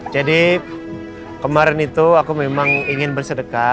jadi kemarin itu aku memang ingin bersedekah